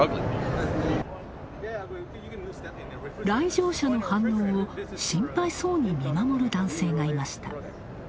来場者の反応を心配そうに見守る男性がいました。